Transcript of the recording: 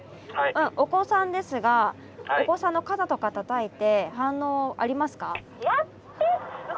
うんお子さんですがお子さんの肩とかたたいて反応ありますか？